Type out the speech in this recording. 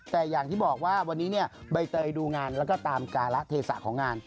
แต่อย่างที่บอกว่าวันนี้เนี่ยใบเตยดูงานแล้วก็ตามการะเทศะของงาน